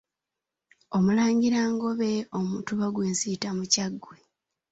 Omulangira Ngobe, Omutuba gw'e Nsiita mu Kyaggwe.